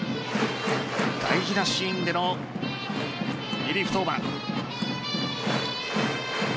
大事なシーンでのリリーフ登板。